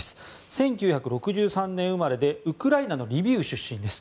１９６３年生まれでウクライナのリビウ出身です。